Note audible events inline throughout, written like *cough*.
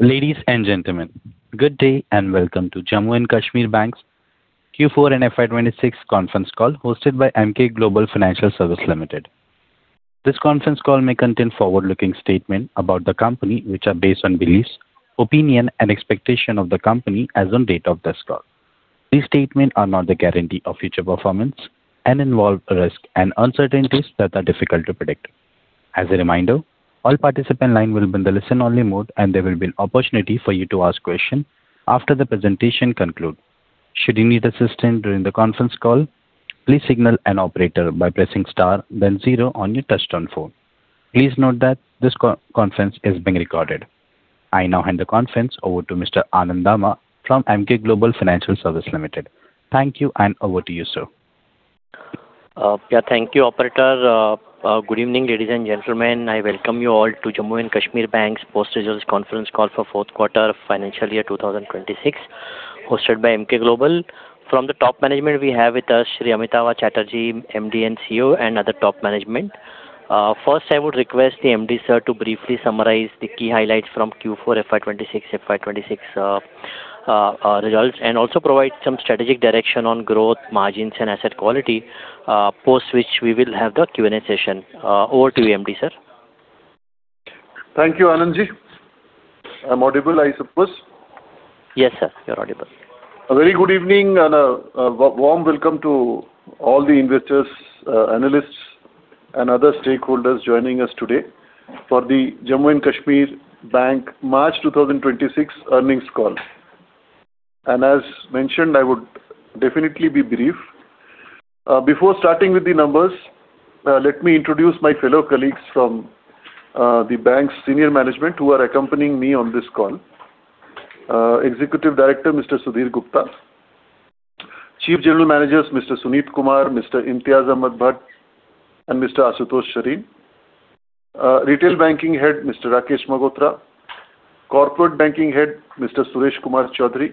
Ladies and gentlemen, good day and welcome to Jammu & Kashmir Bank's Q4 and FY 2026 Conference Call hosted by Emkay Global Financial Services Limited. This conference call may contain forward-looking statement about the company, which are based on beliefs, opinion, and expectation of the company as on date of this call. These statement are not the guarantee of future performance and involve risk and uncertainties that are difficult to predict. As a reminder, all participant line will be in the listen-only mode, and there will be an opportunity for you to ask question after the presentation conclude. Should you need assistance during the conference call, please signal an operator by pressing star then zero on your touch-tone phone. Please note that this conference is being recorded. I now hand the conference over to Mr. Anand Dama from Emkay Global Financial Services Limited. Thank you, and over to you, sir. Yeah. Thank you, operator. Good evening, ladies and gentlemen. I welcome you all to Jammu & Kashmir Bank's post-results conference call for fourth quarter of financial year 2026, hosted by Emkay Global. From the top management, we have with us *audio distortion* Amitava Chatterjee, MD and CEO, and other top management. First, I would request the MD, sir, to briefly summarize the key highlights from Q4 FY 2026 results and also provide some strategic direction on growth, margins, and asset quality, post which we will have the Q&A session. Over to you, MD, sir. Thank you, Anand Ji. I'm audible, I suppose? Yes, sir. You're audible. A very good evening and a warm welcome to all the investors, analysts, and other stakeholders joining us today for the Jammu & Kashmir Bank March 2026 Earnings Call. As mentioned, I would definitely be brief. Before starting with the numbers, let me introduce my fellow colleagues from the bank's senior management who are accompanying me on this call. Executive Director, Mr. Sudhir Gupta. Chief General Managers, Mr. Sunit Kumar, Mr. Imtiyaz Ahmad Bhat, and Mr. Ashutosh Sareen. Retail Banking Head, Mr. Rakesh Magotra. Corporate Banking Head, Mr. Suresh Kumar Chowdhary.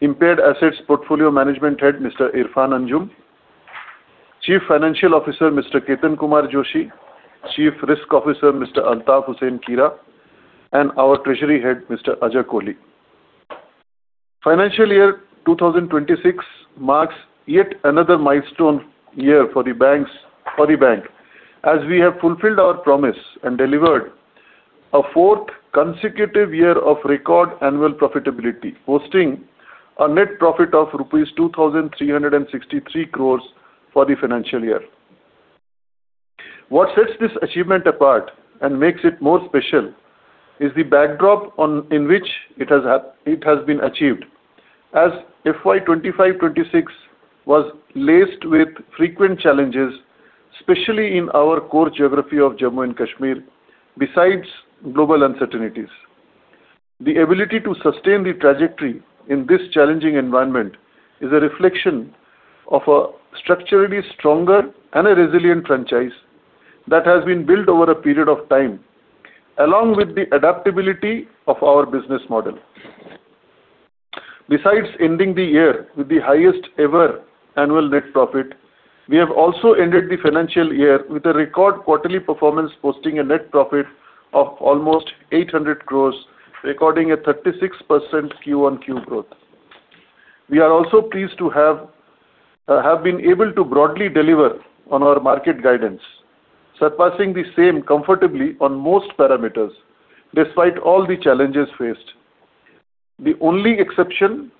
Impaired Assets Portfolio Management Head, Mr. Irfan Anjum. Chief Financial Officer, Mr. Ketan Kumar Joshi. Chief Risk Officer, Mr. Altaf Hussain Kira, and our Treasury Head, Mr. Ajay Kohli. Financial year 2026 marks yet another milestone year for the bank, as we have fulfilled our promise and delivered a fourth consecutive year of record annual profitability, posting a net profit of rupees 2,363 crore for the financial year. What sets this achievement apart and makes it more special is the backdrop in which it has been achieved, as FY 2025/2026 was laced with frequent challenges, especially in our core geography of Jammu & Kashmir, besides global uncertainties. The ability to sustain the trajectory in this challenging environment is a reflection of a structurally stronger and a resilient franchise that has been built over a period of time, along with the adaptability of our business model. Besides ending the year with the highest ever annual net profit, we have also ended the financial year with a record quarterly performance posting a net profit of almost 800 crore, recording a 36% Q-o-Q growth. We are also pleased to have been able to broadly deliver on our market guidance, surpassing the same comfortably on most parameters, despite all the challenges faced. The only exception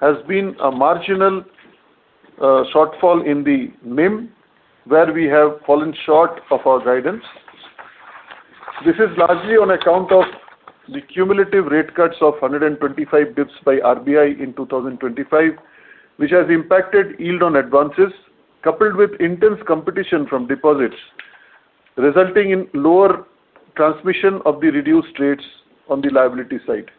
has been a marginal shortfall in the NIM, where we have fallen short of our guidance. This is largely on account of the cumulative rate cuts of 125 basis points by RBI in 2025, which has impacted yield on advances, coupled with intense competition from deposits, resulting in lower transmission of the reduced rates on the liability side.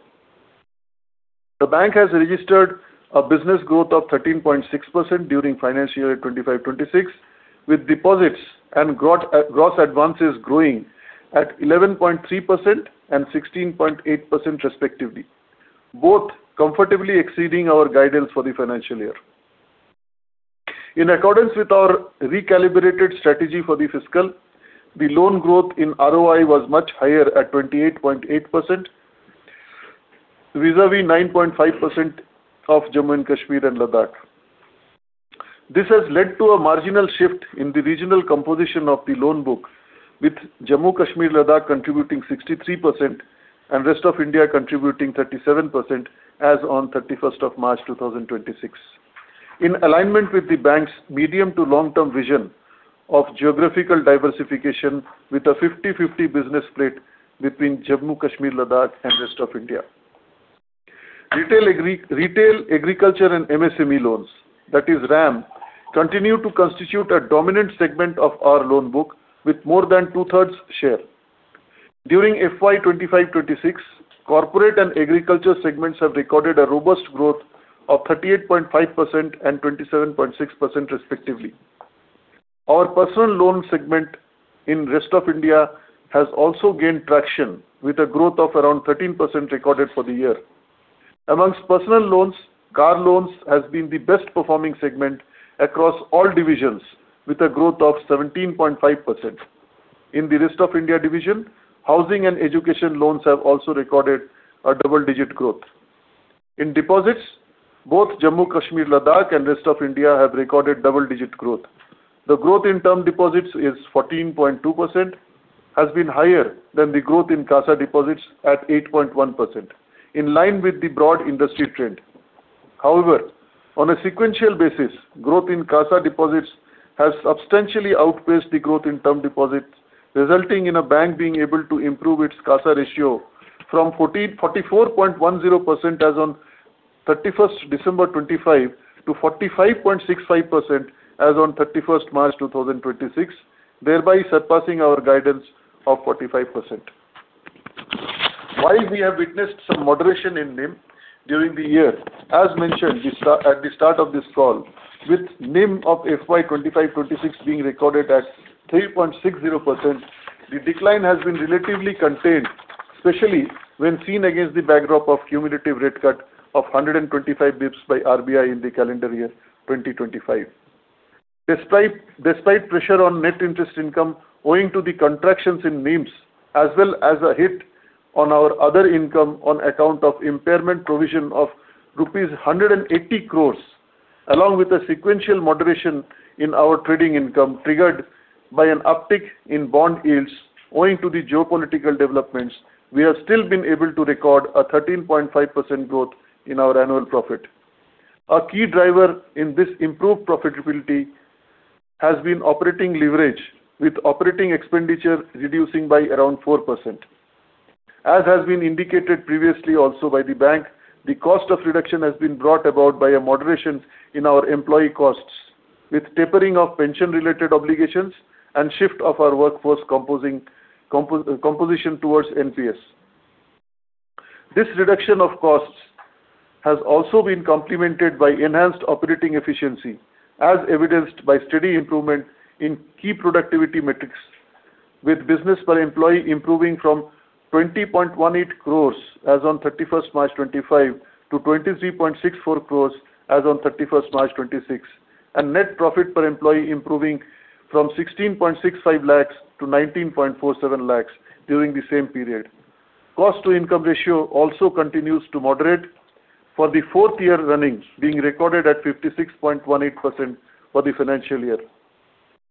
The bank has registered a business growth of 13.6% during financial year 2025/2026, with deposits and gross advances growing at 11.3% and 16.8% respectively, both comfortably exceeding our guidance for the financial year. In accordance with our recalibrated strategy for the fiscal, the loan growth in RoI was much higher at 28.8%, vis-à-vis 9.5% of Jammu & Kashmir and Ladakh. This has led to a marginal shift in the regional composition of the loan book, with Jammu & Kashmir, Ladakh contributing 63% and rest of India contributing 37% as on 31st of March 2026. In alignment with the bank's medium to long-term vision of geographical diversification with a 50/50 business split between Jammu & Kashmir, Ladakh, and rest of India. Retail, Agriculture, and MSME loans, that is RAAM, continue to constitute a dominant segment of our loan book with more than 2/3 share. During FY 2025/2026, corporate and agriculture segments have recorded a robust growth of 38.5% and 27.6% respectively. Our personal loan segment in rest of India has also gained traction with a growth of around 13% recorded for the year. Amongst personal loans, car loans has been the best performing segment across all divisions, with a growth of 17.5%. In the rest of India division, housing and education loans have also recorded a double-digit growth. In deposits, both Jammu & Kashmir, Ladakh, and rest of India have recorded double-digit growth. The growth in term deposits is 14.2%, has been higher than the growth in CASA deposits at 8.1%, in line with the broad industry trend. On a sequential basis, growth in CASA deposits has substantially outpaced the growth in term deposits, resulting in a bank being able to improve its CASA ratio from 44.10% as on 31st December 2025 to 45.65% as on 31st March 2026, thereby surpassing our guidance of 45%. While we have witnessed some moderation in NIM during the year, as mentioned at the start of this call, with NIM of FY 2025/2026 being recorded at 3.60%, the decline has been relatively contained, especially when seen against the backdrop of cumulative rate cut of 125 basis points by RBI in the calendar year 2025. Despite pressure on net interest income owing to the contractions in NIMs, as well as a hit on our other income on account of impairment provision of rupees 180 crore, along with a sequential moderation in our trading income triggered by an uptick in bond yields owing to the geopolitical developments, we have still been able to record a 13.5% growth in our annual profit. A key driver in this improved profitability has been operating leverage, with operating expenditure reducing by around 4%. As has been indicated previously also by the bank, the cost of reduction has been brought about by a moderation in our employee costs, with tapering of pension-related obligations and shift of our workforce compo-composition towards NPS. This reduction of costs has also been complemented by enhanced operating efficiency, as evidenced by steady improvement in key productivity metrics, with business per employee improving from 20.18 crore as on 31st March 2025 to 23.64 crore as on 31st March 2026, and net profit per employee improving from 16.65 lakhs to 19.47 lakhs during the same period. Cost-to-income ratio also continues to moderate for the fourth year running, being recorded at 56.18% for the financial year.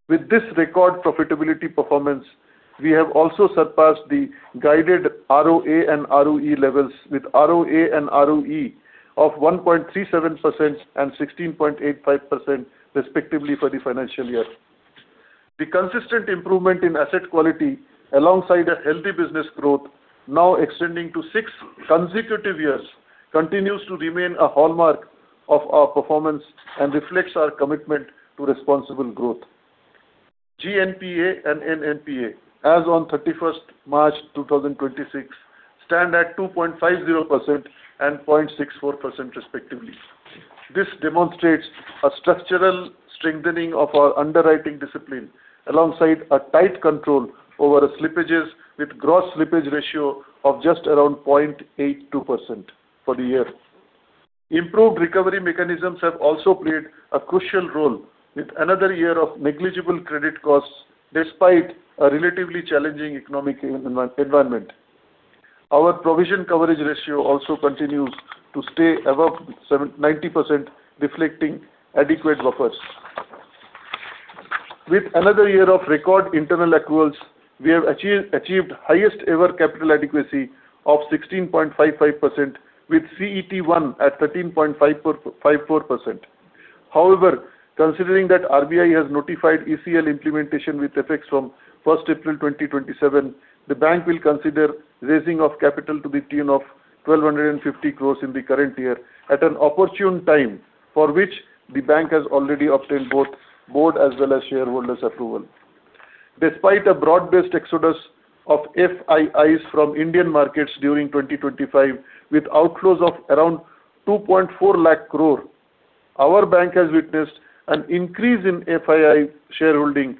With this record profitability performance, we have also surpassed the guided ROA and ROE levels with ROA and ROE of 1.37% and 16.85% respectively for the financial year. The consistent improvement in asset quality, alongside a healthy business growth now extending to six consecutive years, continues to remain a hallmark of our performance and reflects our commitment to responsible growth. GNPA and NNPA as on 31st March 2026 stand at 2.50% and 0.64% respectively. This demonstrates a structural strengthening of our underwriting discipline alongside a tight control over slippages with gross slippage ratio of just around 0.82% for the year. Improved recovery mechanisms have also played a crucial role with another year of negligible credit costs despite a relatively challenging economic environment. Our provision coverage ratio also continues to stay above 90%, reflecting adequate buffers. With another year of record internal accruals, we have achieved highest ever capital adequacy of 16.55% with CET1 at 13.54%. However, considering that RBI has notified ECL implementation with effects from 1st April, 2027, the bank will consider raising of capital to the tune of 1,250 crore in the current year at an opportune time, for which the bank has already obtained both board as well as shareholders' approval. Despite a broad-based exodus of FIIs from Indian markets during 2025 with outflows of around 2.4 lakh crore, our bank has witnessed an increase in FII shareholding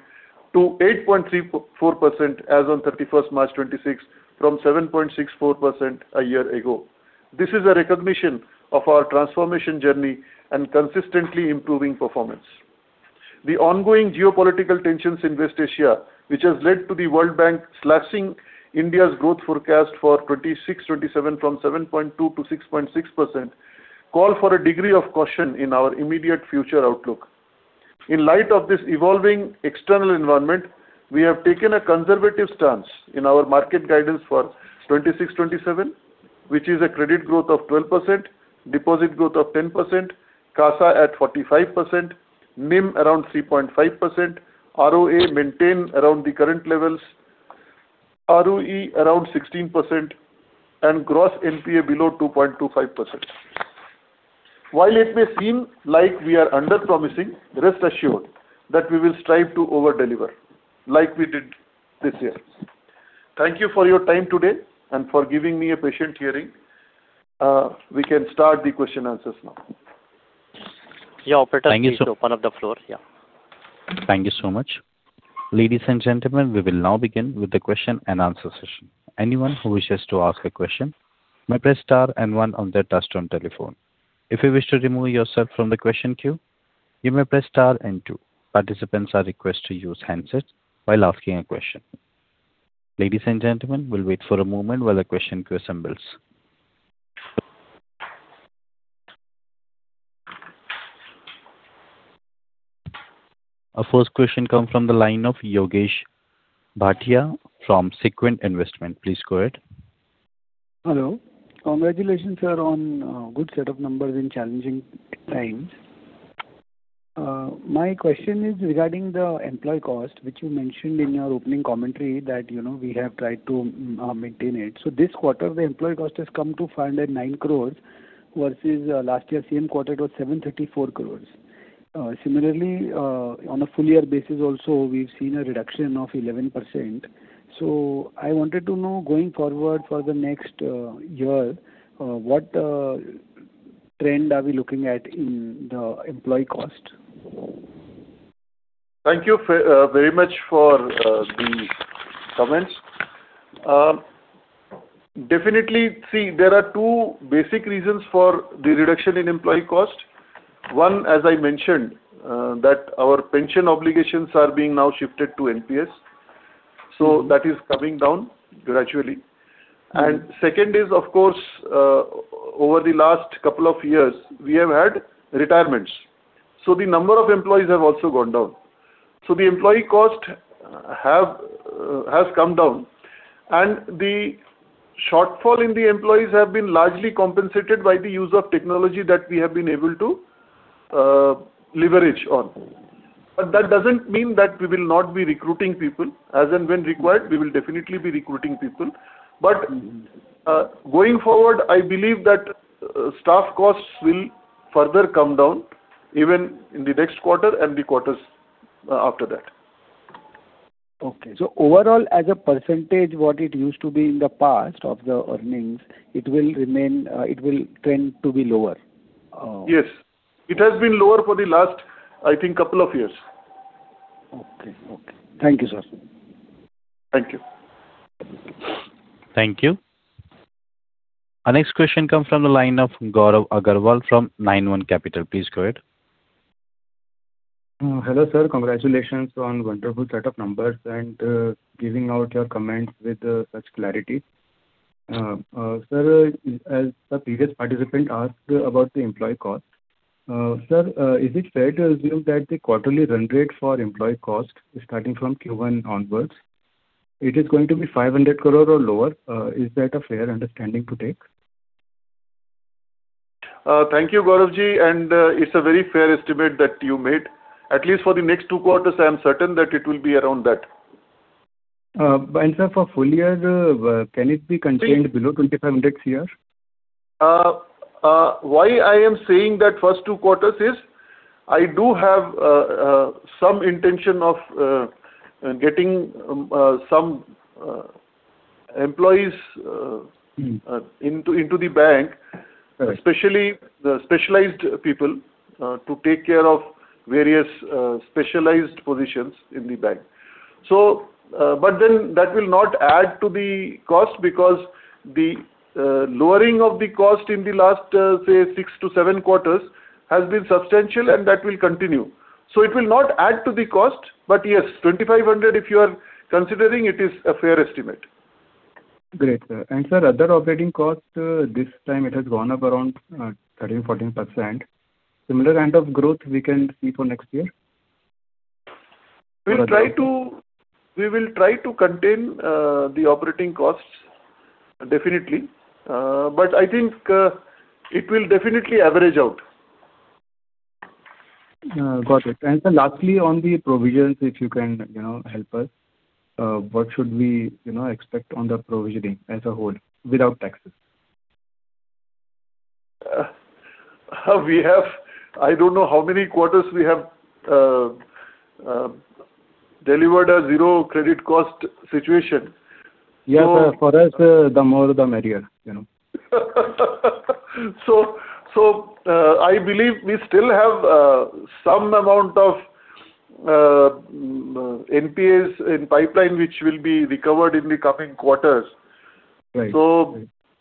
to 8.34% as on 31st March, 2026 from 7.64% a year ago. This is a recognition of our transformation journey and consistently improving performance. The ongoing geopolitical tensions in West Asia, which has led to the World Bank slashing India's growth forecast for 2026/2027 from 7.2% to 6.6%, call for a degree of caution in our immediate future outlook. In light of this evolving external environment, we have taken a conservative stance in our market guidance for 2026/2027, which is a credit growth of 12%, deposit growth of 10%, CASA at 45%, NIM around 3.5%, ROA maintained around the current levels, ROE around 16%, and gross NPA below 2.25%. While it may seem like we are underpromising, rest assured that we will strive to overdeliver like we did this year. Thank you for your time today and for giving me a patient hearing. We can start the question answers now. Yeah, operator, please open up the floor. Yeah. Thank you so much. Ladies and gentlemen, we will now begin with the question and answer session. Anyone who wishes to ask a question may press star and one on their touch-tone telephone. If you wish to remove yourself from the question queue, you may press star and two. Participants are requested to use handsets while asking a question. Ladies and gentlemen, we will wait for a moment while the question queue assembles. Our first question comes from the line of Yogesh Bhatia from Sequent Investment. Please go ahead. Hello. Congratulations, sir, on good set of numbers in challenging times. My question is regarding the employee cost, which you mentioned in your opening commentary that, you know, we have tried to maintain it. This quarter, the employee cost has come to 509 crore, versus last year same quarter it was 734 crore. Similarly, on a full-year basis also, we've seen a reduction of 11%. I wanted to know, going forward for the next year, what trend are we looking at in the employee cost? Thank you very much for the comments. Definitely. There are two basic reasons for the reduction in employee cost. One, as I mentioned, that our pension obligations are being now shifted to NPS, so that is coming down gradually. Second is, of course, over the last couple of years, we have had retirements, so the number of employees have also gone down. The employee cost has come down, and the shortfall in the employees have been largely compensated by the use of technology that we have been able to leverage on. That doesn't mean that we will not be recruiting people. As and when required, we will definitely be recruiting people. Going forward, I believe that staff costs will further come down even in the next quarter and the quarters after that. Okay. Overall, as a %, what it used to be in the past of the earnings, it will remain, it will trend to be lower. Yes. It has been lower for the last, I think, couple of years. Okay. Okay. Thank you, sir. Thank you. Thank you. Our next question comes from the line of Gaurav Agarwal from Nine One Capital. Please go ahead. Hello, sir. Congratulations on wonderful set of numbers and giving out your comments with such clarity. Sir, as the previous participant asked about the employee cost, sir, is it fair to assume that the quarterly run rate for employee cost starting from Q1 onwards, it is going to be 500 crore or lower? Is that a fair understanding to take? Thank you, Gaurav ji, and it's a very fair estimate that you made. At least for the next two quarters, I am certain that it will be around that. Sir, for full-year, can it be contained below INR 2,500 crore? Why I am saying that first two quarters is I do have some intention of getting some employees into the bank. Right. Especially the specialized people, to take care of various specialized positions in the bank. That will not add to the cost because the lowering of the cost in the last, say six to seven quarters has been substantial and that will continue. It will not add to the cost, but yes, 2,500 crore, if you are considering, it is a fair estimate. Great, sir. Sir, other operating costs, this time it has gone up around 13%, 14%. Similar kind of growth we can see for next year? We will try to contain the operating costs, definitely. I think, it will definitely average out. Got it. Lastly, on the provisions, if you can, you know, help us, what should we, you know, expect on the provisioning as a whole without taxes? We have, I don't know how many quarters we have, delivered a zero credit cost situation. Yeah, sir. For us, the more the merrier, you know. I believe we still have some amount of NPAs in pipeline, which will be recovered in the coming quarters. Right.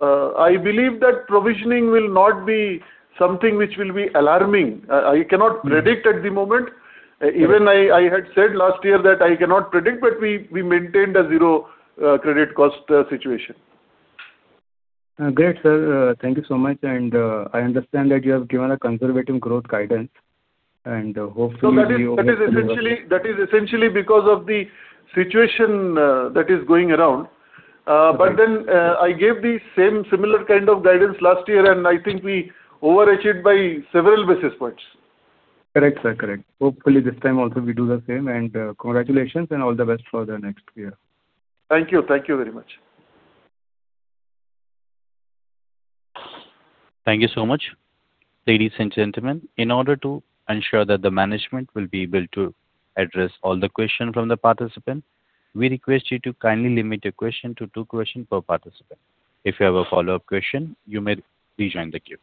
I believe that provisioning will not be something which will be alarming. I cannot predict at the moment. Even I had said last year that I cannot predict, but we maintained a zero credit cost situation. Great, sir. Thank you so much. I understand that you have given a conservative growth guidance. No, that is essentially because of the situation that is going around. Great. I gave the same similar kind of guidance last year, and I think we overachieved by several basis points. Correct, sir. Correct. Hopefully this time also we do the same, and congratulations and all the best for the next year. Thank you. Thank you very much. Thank you so much. Ladies and gentlemen, in order to ensure that the management will be able to address all the question from the participant, we request you to kindly limit your question to two question per participant. If you have a follow-up question, you may rejoin the queue.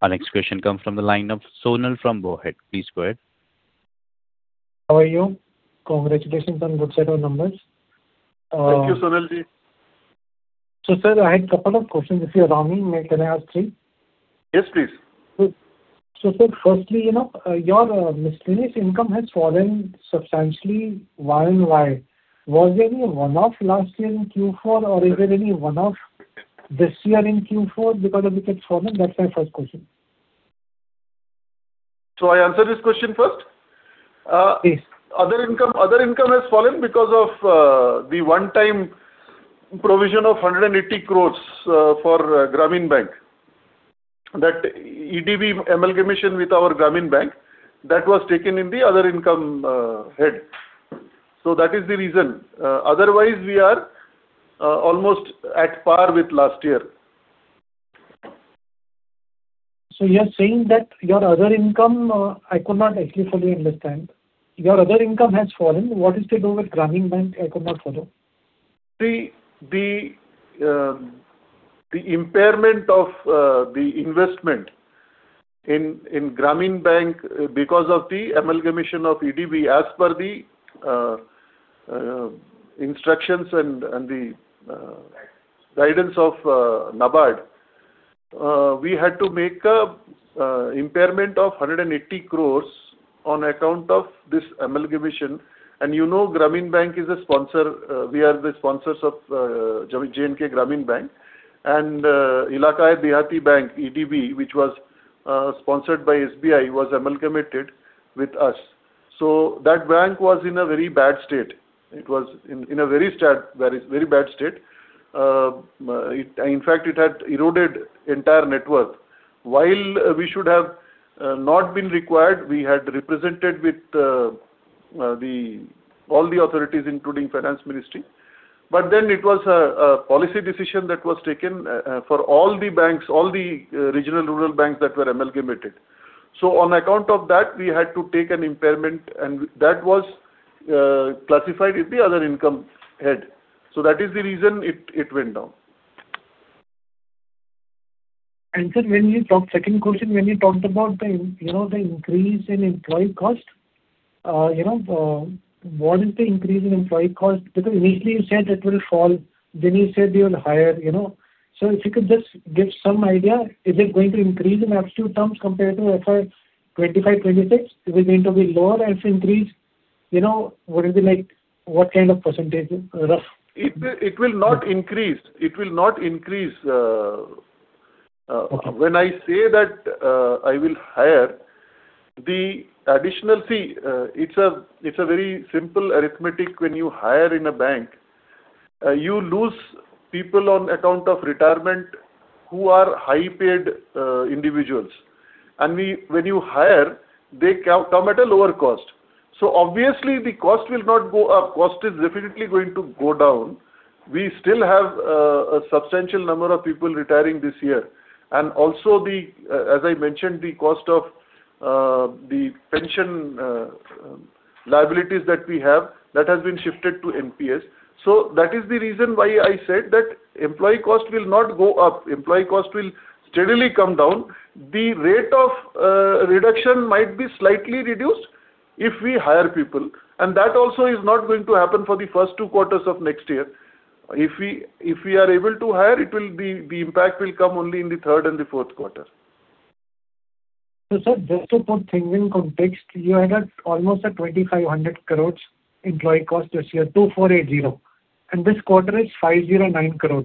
Our next question comes from the line of Sonaal from Bowhead. Please go ahead. How are you? Congratulations on good set of numbers. Thank you, Sonaal Ji. sir, I had couple of questions, if you allow me. Can I ask three? Yes, please. Good. Sir, firstly, you know, your miscellaneous income has fallen substantially. Why and why? Was there any one-off last year in Q4 or is there any one-off this year in Q4 because of it had fallen? That's my first question. I answer this question first? Please. Other income, other income has fallen because of the one-time provision of 180 crore for Grameen Bank. That EDB amalgamation with our Grameen Bank, that was taken in the other income head. That is the reason. Otherwise we are almost at par with last year. You're saying that your other income, I could not actually fully understand. Your other income has fallen. What is to do with Grameen Bank? I could not follow. The impairment of the investment in Grameen Bank because of the amalgamation of EDB as per the instructions and the guidance of NABARD. We had to make an impairment of 180 crore on account of this amalgamation. You know Grameen Bank is a sponsor. We are the sponsors of J&K Grameen Bank. Ellaquai Dehati Bank, EDB, which was sponsored by SBI, was amalgamated with us. That bank was in a very bad state. It was in a very bad state. In fact, it had eroded entire net worth. While we should have not been required, we had represented with all the authorities, including Finance Ministry. It was a policy decision that was taken for all the banks, all the regional rural banks that were amalgamated. On account of that, we had to take an impairment, and that was classified in the other income head. That is the reason it went down. Sir, when you talked, second question, when you talked about the, you know, the increase in employee cost, you know, what is the increase in employee cost? Initially you said it will fall, then you said you will hire, you know. If you could just give some idea, is it going to increase in absolute terms compared to FY 2025/2026? Is it going to be lower or if increased, you know, what is the like, what kind of percentage, rough? It will not increase. It will not increase. Okay. When I say that, I will hire the additional see, it's a very simple arithmetic when you hire in a bank. You lose people on account of retirement who are high paid, individuals. When you hire, they come at a lower cost. Obviously the cost will not go up. Cost is definitely going to go down. We still have, a substantial number of people retiring this year. Also the, as I mentioned, the cost of, the pension, liabilities that we have, that has been shifted to NPS. That is the reason why I said that employee cost will not go up. Employee cost will steadily come down. The rate of reduction might be slightly reduced if we hire people, and that also is not going to happen for the first two quarters of next year. If we are able to hire, the impact will come only in the third and the fourth quarter. Sir, just to put things in context, you had almost a 2,500 crore employee cost this year, 2,480 crore, and this quarter is 509 crore.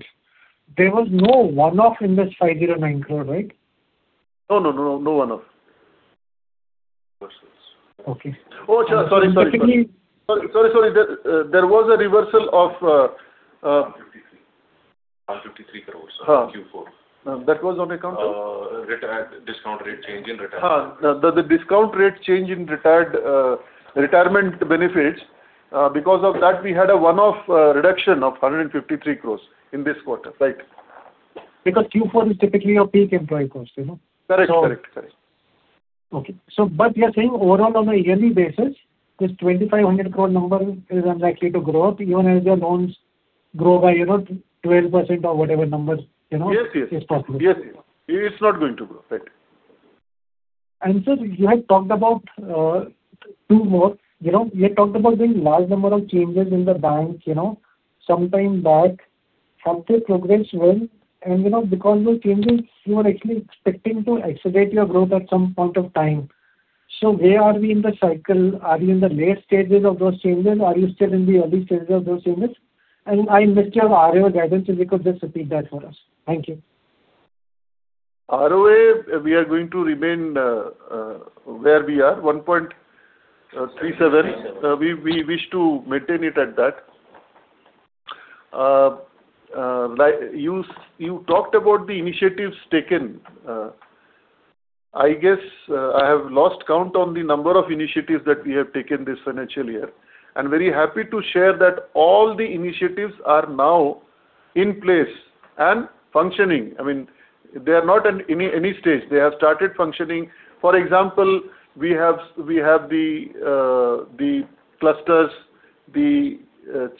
There was no one-off in this 509 crore, right? No, no, no. No one-off. Okay. Oh, sorry, sorry. Typically- Sorry, there was a reversal of. 153 crore in Q4. That was on account of? Retired, discount rate change in retirement. The discount rate change in retired retirement benefits. Because of that, we had a one-off reduction of 153 crore in this quarter. Right. Q4 is typically your peak employee cost, you know. Correct. Correct. Correct. You're saying overall on a yearly basis, this 2,500 crore number is unlikely to grow even as your loans grow by, you know, 12% or whatever number? Yes. Yes. -is possible. Yes. Yes. It's not going to grow. Right. Sir, you had talked about two more. You know, you had talked about the large number of changes in the bank, you know, some time back. Some things progressed well, and, you know, because those changes, you are actually expecting to accelerate your growth at some point of time. So where are we in the cycle? Are we in the late stages of those changes? Are you still in the early stages of those changes? I missed your ROA guidance. If you could just repeat that for us. Thank you. ROA, we are going to remain where we are, 1.37%. We wish to maintain it at that. You talked about the initiatives taken. I guess, I have lost count on the number of initiatives that we have taken this financial year, and very happy to share that all the initiatives are now in place and functioning. I mean, they are not in any stage. They have started functioning. For example, we have the clusters, the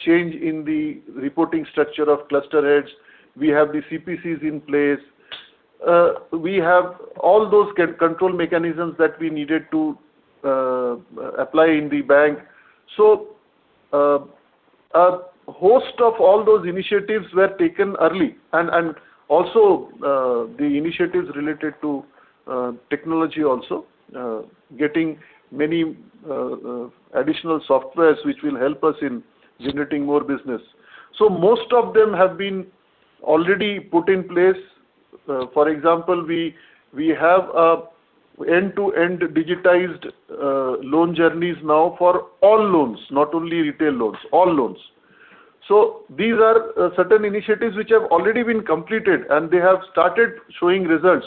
change in the reporting structure of cluster heads. We have the CPCs in place. We have all those control mechanisms that we needed to apply in the bank. A host of all those initiatives were taken early and also, the initiatives related to technology also, getting many additional softwares which will help us in generating more business. Most of them have been already put in place. For example, we have a end-to-end digitized loan journeys now for all loans, not only retail loans, all loans. These are certain initiatives which have already been completed, and they have started showing results.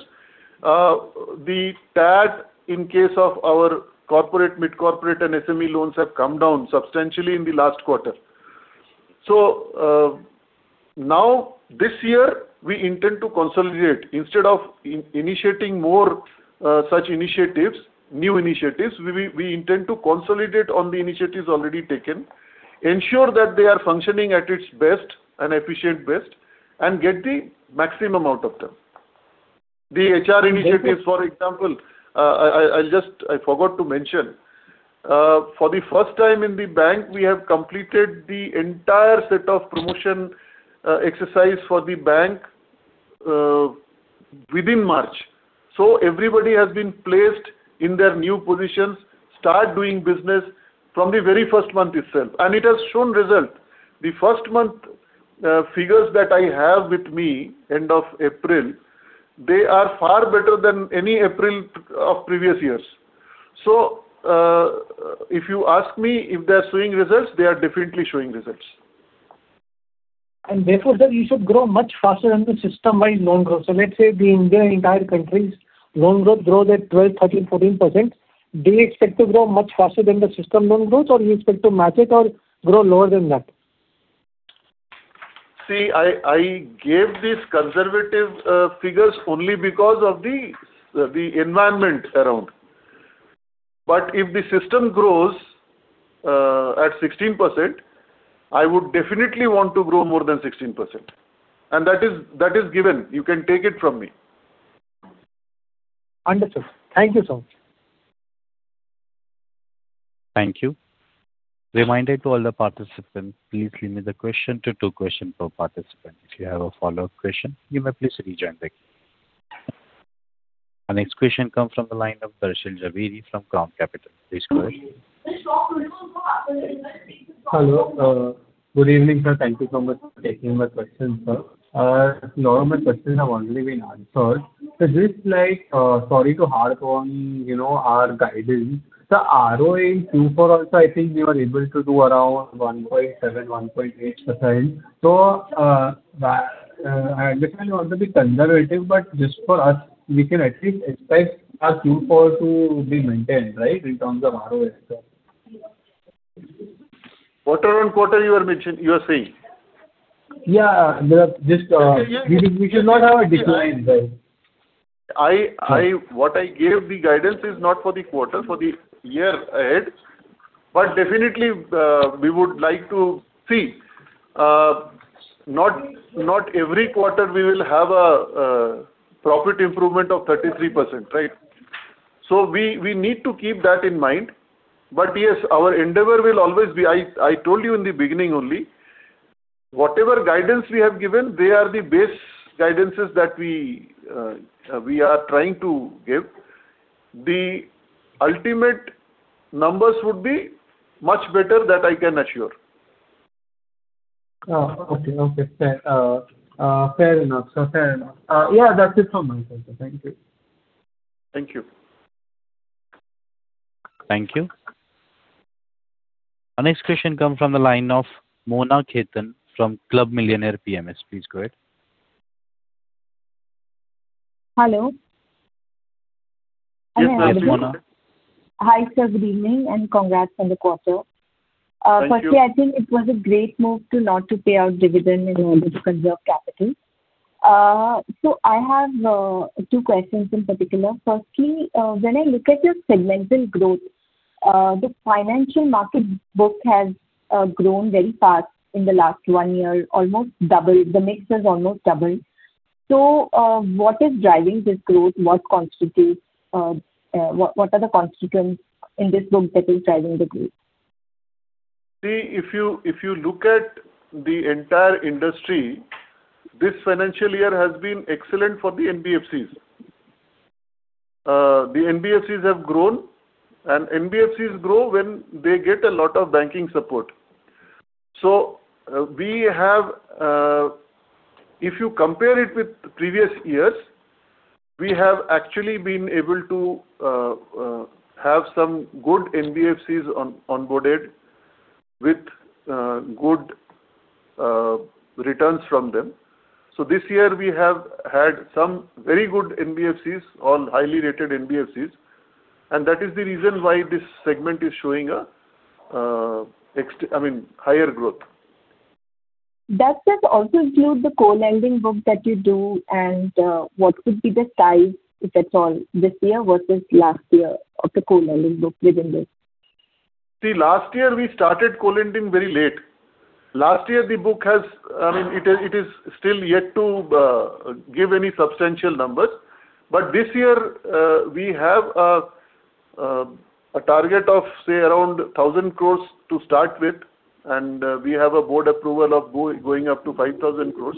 The TAT in case of our corporate, mid-corporate and SME loans have come down substantially in the last quarter. Now this year we intend to consolidate. Instead of initiating more such initiatives, new initiatives, we intend to consolidate on the initiatives already taken, ensure that they are functioning at its best and efficient best, and get the maximum out of them. The HR initiatives, for example, I forgot to mention. For the first time in the bank, we have completed the entire set of promotion exercise for the bank within March. Everybody has been placed in their new positions, start doing business from the very first month itself, and it has shown result. The first month figures that I have with me, end of April, they are far better than any April of previous years. If you ask me if they are showing results, they are definitely showing results. Therefore, sir, you should grow much faster than the system-wide loan growth. Let's say the India, entire country's loan growth grows at 12%, 13%, 14%. Do you expect to grow much faster than the system loan growth, or you expect to match it or grow lower than that? See, I gave these conservative figures only because of the environment around. If the system grows at 16%, I would definitely want to grow more than 16%. That is given. You can take it from me. Understood. Thank you, sir. Thank you. Reminder to all the participants, please limit the question to two question per participant. If you have a follow-up question, you may please rejoin the queue. Our next question comes from the line of Darshan Jhaveri from Crown Capital. Please go ahead. Hello. Good evening, sir. Thank you so much for taking my questions, sir. Lot of my questions have already been answered. Just like, sorry to harp on, you know, our guidance. Sir, ROE in Q4 also I think we were able to do around 1.7%, 1.8%. I understand you want to be conservative, but just for us, we can at least expect our Q4 to be maintained, right, in terms of ROE, sir? Quarter-on-quarter you are saying? Yeah. Just, we should not have a decline, sir. What I gave the guidance is not for the quarter, for the year ahead. Definitely, we would like to see, not every quarter we will have a profit improvement of 33%, right? We need to keep that in mind. Yes, our endeavor will always be, I told you in the beginning only, whatever guidance we have given, they are the base guidances that we are trying to give. The ultimate numbers would be much better, that I can assure. Oh, okay. Okay. Fair. Fair enough, sir. Fair enough. Yeah, that's it from my side, sir. Thank you. Thank you. Thank you. Our next question comes from the line of Mona Khetan from Club Millionaire PMS. Please go ahead. Hello. Hi, [Amit]. Yes, please, Mona. Hi, sir. Good evening and congrats on the quarter. Thank you. Firstly, I think it was a great move to not to pay out dividend in order to conserve capital. I have two questions in particular. Firstly, when I look at your segmental growth, the financial market book has grown very fast in the last one year, almost doubled. The mix has almost doubled. What is driving this growth? What constitutes, what are the constituents in this book that is driving the growth? If you look at the entire industry, this financial year has been excellent for the NBFCs. The NBFCs have grown, NBFCs grow when they get a lot of banking support. We have, if you compare it with previous years, we have actually been able to have some good NBFCs onboarded with good returns from them. This year we have had some very good NBFCs on highly rated NBFCs, that is the reason why this segment is showing a, I mean, higher growth. Does that also include the co-lending book that you do and, what could be the size, if at all, this year versus last year of the co-lending book within this? See, last year we started co-lending very late. Last year the book has I mean, it is still yet to give any substantial numbers. This year, we have a target of, say around 1,000 crore to start with, and we have a board approval of going up to 5,000 crore.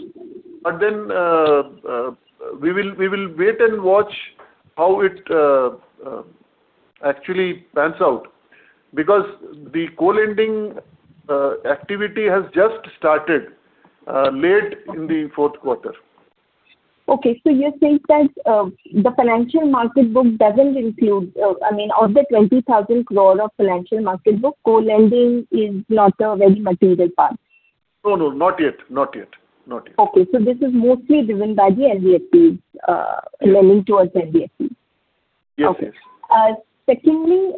Then, we will wait and watch how it actually pans out because the co-lending activity has just started late in the fourth quarter. Okay. You think that, I mean, of the 20,000 crore of financial market book co-lending is not a very material part? No, no. Not yet. Not yet. Not yet. Okay. This is mostly driven by the NBFC, lending towards NBFCs. Yes, yes. Okay. Secondly,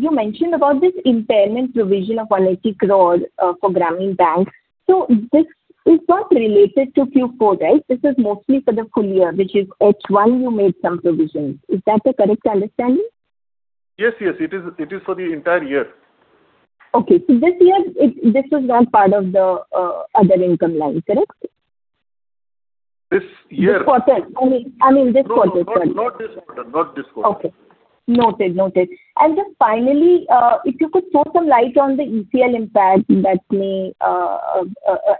you mentioned about this impairment provision of 180 crore for Grameen Bank. This is not related to Q4, right? This is mostly for the full-year, which is H1 you made some provisions. Is that a correct understanding? Yes, yes. It is for the entire year. Okay. This year it's this is not part of the other income line, correct? This year- This quarter. I mean this quarter, sorry. No, no. Not this quarter. Not this quarter. Okay. Noted. Noted. Then finally, if you could throw some light on the ECL impact that may,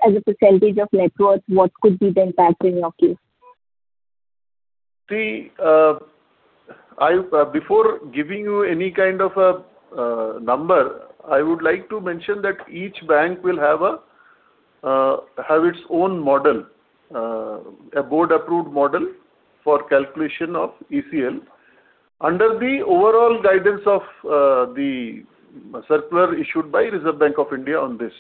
as a percentage of net worth, what could be the impact in your case? See, I'll before giving you any kind of a number, I would like to mention that each bank will have its own model, a board-approved model for calculation of ECL under the overall guidance of the circular issued by Reserve Bank of India on this.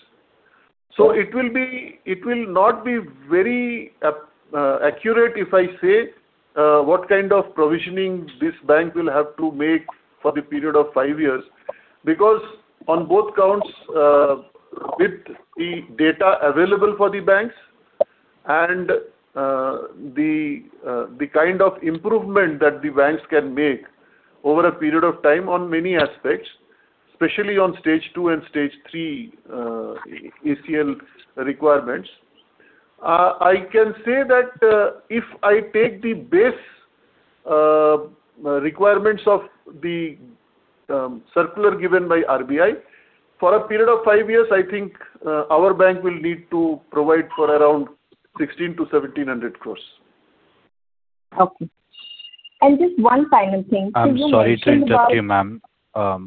It will be, it will not be very accurate if I say what kind of provisioning this bank will have to make for the period of five years because on both counts with the data available for the banks and the kind of improvement that the banks can make over a period of time on many aspects, especially on stage two and stage three ECL requirements. I can say that, if I take the base requirements of the circular given by RBI, for a period of five years, I think, our bank will need to provide for around 1,600 crore-1,700 crore. Okay. Just one final thing. Could you. I'm sorry to interrupt you, ma'am. Sure.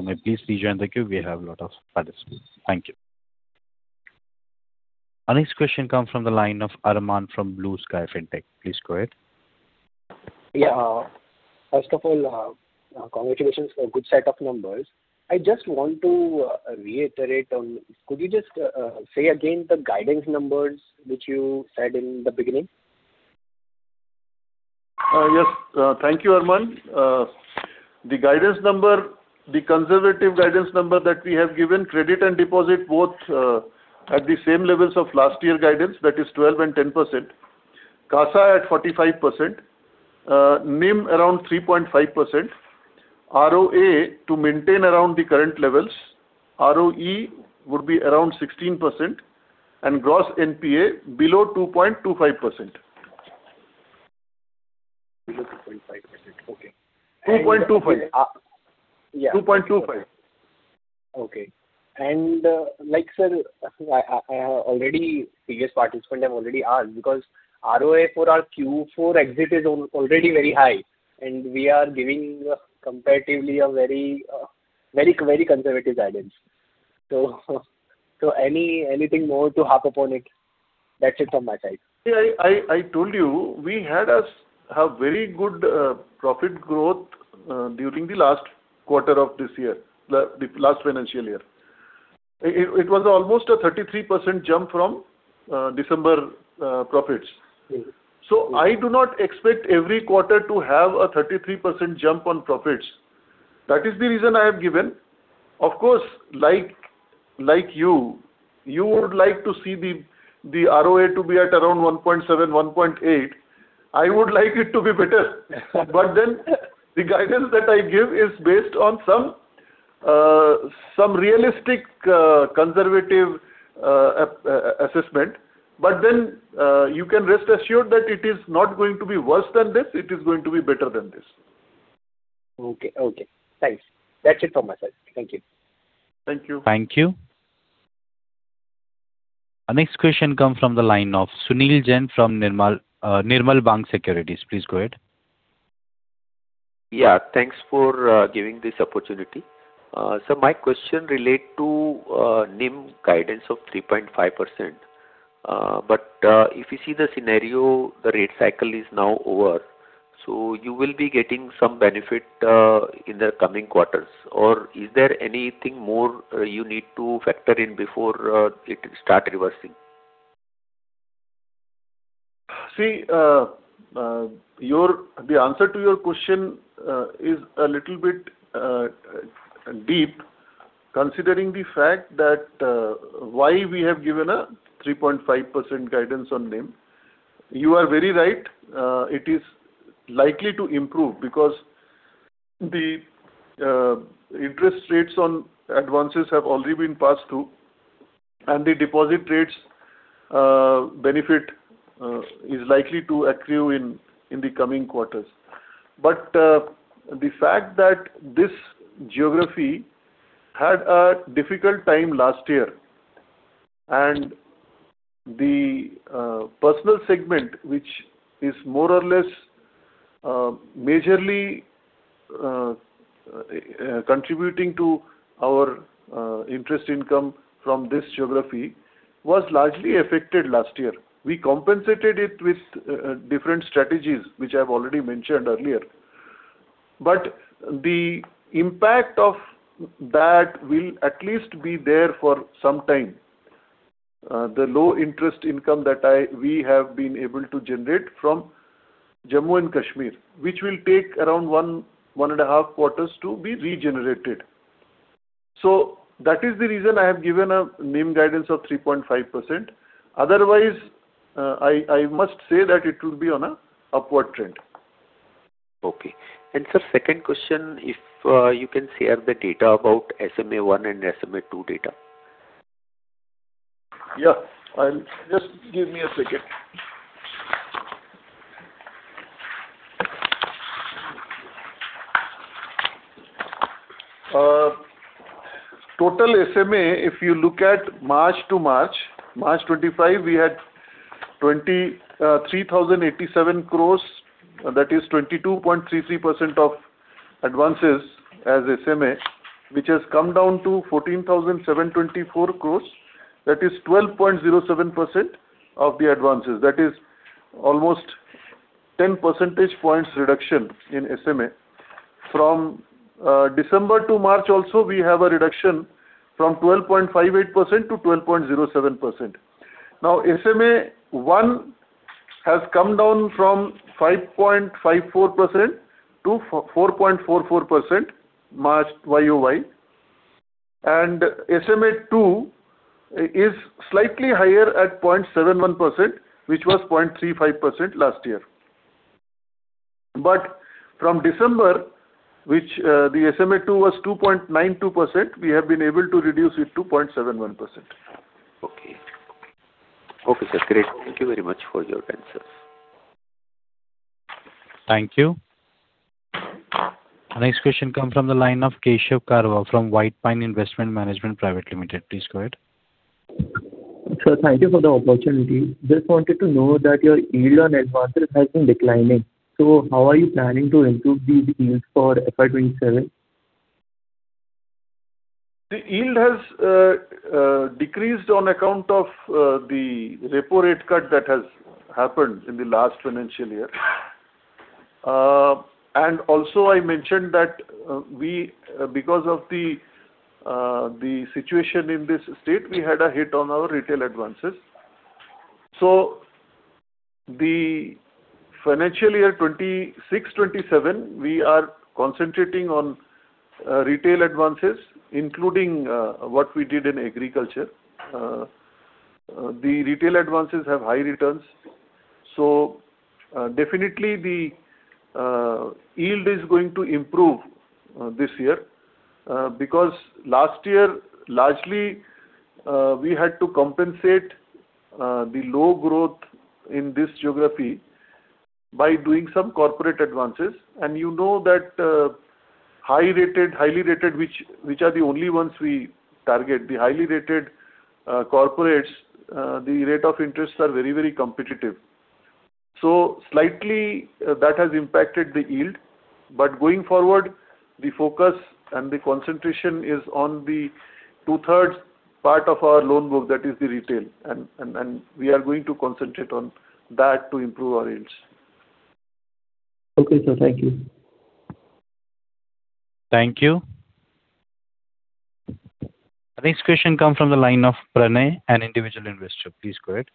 could you please rejoin the queue. We have a lot of participants. Thank you. Our next question comes from the line of Arman from Bluesky Fintech. Please go ahead. Yeah. First of all, congratulations for good set of numbers. I just want to reiterate on could you just say again the guidance numbers which you said in the beginning? Yes. Thank you, Arman. The guidance number, the conservative guidance number that we have given credit and deposit both, at the same levels of last year guidance, that is 12% and 10%. CASA at 45%. NIM around 3.5%. ROA to maintain around the current levels. ROE would be around 16%. Gross NPA below 2.25%. Below 2.5%. Okay. 2.25%. Yeah. 2.25%. Okay. Like, sir, I have already previous participant have already asked because ROA for our Q4 exit is already very high and we are giving comparatively a very conservative guidance. So any anything more to harp upon it? That's it from my side. See, I told you we had a very good profit growth during the last quarter of this year, the last financial year. It was almost a 33% jump from December profits. Yes. I do not expect every quarter to have a 33% jump on profits. That is the reason I have given. Of course, like you would like to see the ROA to be at around 1.7%, 1.8%. I would like it to be better. The guidance that I give is based on some realistic, conservative assessment. You can rest assured that it is not going to be worse than this. It is going to be better than this. Okay. Okay. Thanks. That's it from my side. Thank you. Thank you. Thank you. Our next question comes from the line of Sunil Jain from Nirmal Bang Securities. Please go ahead. Yeah, thanks for giving this opportunity. My question relate to NIM guidance of 3.5%. If you see the scenario, the rate cycle is now over, so you will be getting some benefit in the coming quarters. Is there anything more you need to factor in before it start reversing? See, the answer to your question is a little bit deep considering the fact that why we have given a 3.5% guidance on NIM. You are very right, it is likely to improve because the interest rates on advances have already been passed to, and the deposit rates benefit is likely to accrue in the coming quarters. The fact that this geography had a difficult time last year and the personal segment, which is more or less majorly contributing to our interest income from this geography was largely affected last year. We compensated it with different strategies, which I've already mentioned earlier. The impact of that will at least be there for some time. The low interest income that we have been able to generate from Jammu & Kashmir, which will take around one and a half quarters to be regenerated. That is the reason I have given a NIM guidance of 3.5%. Otherwise, I must say that it will be on a upward trend. Okay. Sir, second question, if you can share the data about SMA-1 and SMA-2 data? Yeah. I'll just Give me a second. Total SMA, if you look at March to March. March 25, we had 23,087 crore. That is 22.33% of advances as SMA, which has come down to 14,724 crore. That is 12.07% of the advances. That is almost 10 percentage points reduction in SMA. From December to March also, we have a reduction from 12.58% to 12.07%. Now, SMA-1 has come down from 5.54% to 4.44% March Y-o-Y. SMA-2 is slightly higher at 0.71%, which was 0.35% last year. From December, which, the SMA-2 was 2.92%, we have been able to reduce it to 0.71%. Okay. Okay. Okay, sir. Great. Thank you very much for your answers. Thank you. Next question come from the line of Keshav Karwa from White Pine Investment Management Private Limited. Please go ahead. Sir, thank you for the opportunity. Just wanted to know that your yield on advances has been declining, so how are you planning to improve these yields for FY 2027? The yield has decreased on account of the repo rate cut that has happened in the last financial year. Also I mentioned that, we, because of the situation in this state, we had a hit on our retail advances. The financial year 2026/2027, we are concentrating on retail advances, including what we did in agriculture. The retail advances have high returns, so definitely the yield is going to improve this year. Last year, largely, we had to compensate the low growth in this geography by doing some corporate advances. You know that, high rated, highly rated, which are the only ones we target. The highly rated corporates, the rate of interests are very, very competitive. Slightly, that has impacted the yield. Going forward, the focus and the concentration is on the 2/3 part of our loan book, that is the retail. We are going to concentrate on that to improve our yields. Okay, sir. Thank you. Thank you. Next question comes from the line of Pranay, an individual investor. Please go ahead.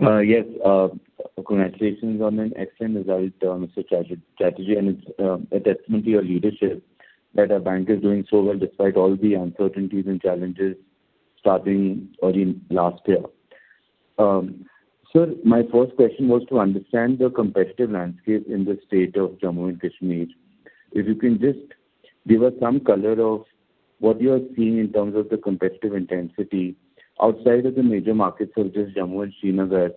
Congratulations on an excellent result, Mr. Chatterjee, and it's a testament to your leadership that our bank is doing so well despite all the uncertainties and challenges starting early in last year. Sir, my first question was to understand the competitive landscape in the state of Jammu & Kashmir. If you can just give us some color of what you are seeing in terms of the competitive intensity outside of the major markets such as Jammu and Srinagar.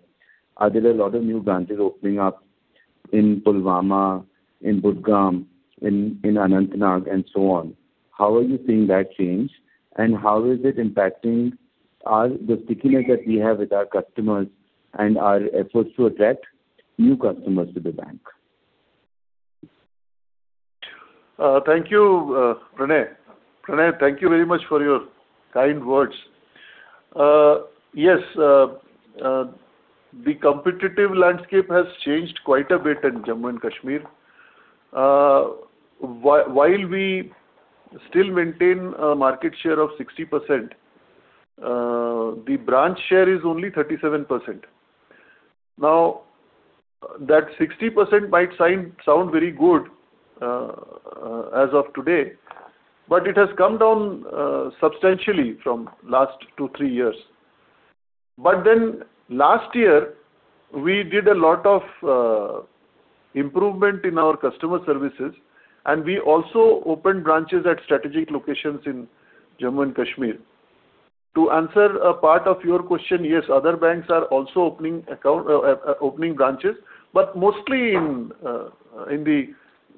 Are there a lot of new branches opening up in Pulwama, in Budgam, in Anantnag, and so on? How are you seeing that change, and how is it impacting the stickiness that we have with our customers and our efforts to attract new customers to the bank? Thank you, Pranay. Pranay, thank you very much for your kind words. Yes, the competitive landscape has changed quite a bit in Jammu & Kashmir. While we still maintain a market share of 60%, the branch share is only 37%. Now, that 60% might sound very good as of today, but it has come down substantially from last two, three years. Last year, we did a lot of improvement in our customer services, and we also opened branches at strategic locations in Jammu & Kashmir. To answer a part of your question, yes, other banks are also opening branches, but mostly in the